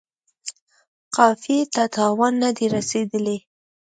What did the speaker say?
قافیې ته تاوان نه دی رسیدلی.